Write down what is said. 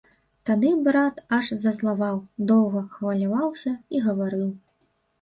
Тады брат аж зазлаваў, доўга хваляваўся і гаварыў.